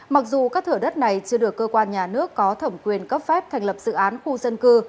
mặc dù các thửa đất này chưa được cơ quan nhà nước có thẩm quyền cấp phép thành lập dự án khu dân cư